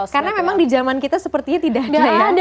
karena memang di zaman kita sepertinya tidak ada ya